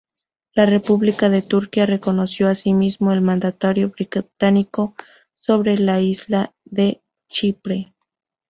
La república de Turquía reconoció asimismo el mandato británico sobre la isla de Chipre.